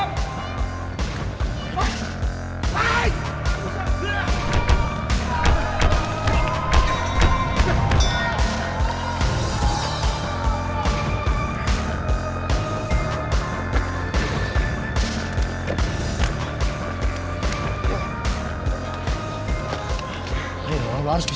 udah domali s selfie